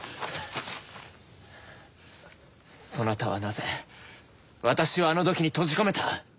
そなたはなぜ私をあの土器に閉じ込めた？